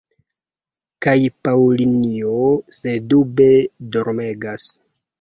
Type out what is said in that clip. Kaj Paŭlinjo, sendube, dormegas.